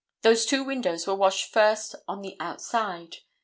Those two windows were washed first on the outside.